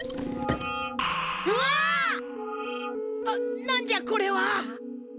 あっなんじゃこれは！